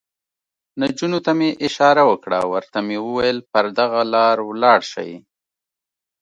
نجونو ته مې اشاره وکړه، ورته مې وویل: پر دغه لار ولاړ شئ.